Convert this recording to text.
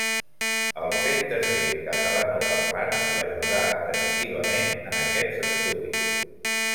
El fet de ser catalanoparlant l'ajudà decisivament en aquests estudis.